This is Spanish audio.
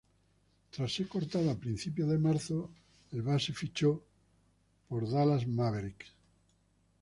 Tras ser cortado a principios de marzo, el base fichó por Dallas Mavericks.